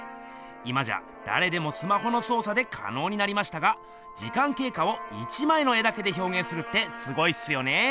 今じゃだれでもスマホのそう作でかのうになりましたが時間けいかを１まいの絵だけでひょうげんするってすごいっすよね！